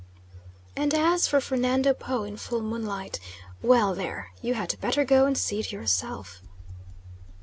And as for Fernando Po in full moonlight well there! you had better go and see it yourself.